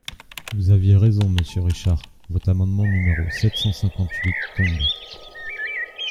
Vous aviez raison, monsieur Richard : votre amendement numéro sept cent cinquante-huit tombe.